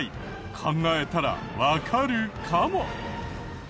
考えたらわかるかも。